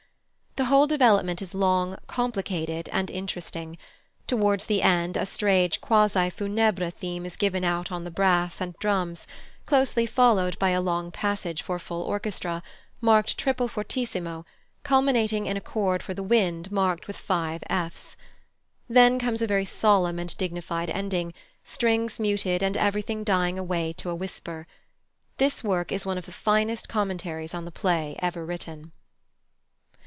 The whole development is long, complicated, and interesting; towards the end a strange quasi funèbre theme is given out on the brass and drums, closely followed by a long passage for full orchestra, marked triple fortissimo, culminating in a chord for the wind marked with five f's. Then comes a very solemn and dignified ending, strings muted and everything dying away to a whisper. This work is one of the finest commentaries on the play ever written.